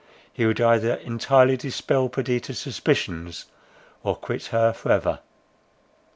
He would either entirely dispel Perdita's suspicions, or quit her for ever.